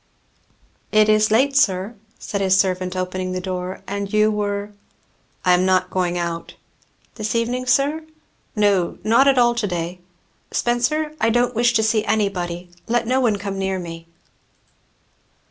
"It is late, sir," said his servant opening the door, "and you were " "I am not going out." "This evening, sir?" "No not at all to day. Spenser! I don't wish to see any body let no one come near me."